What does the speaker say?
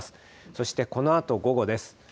そしてこのあと午後です。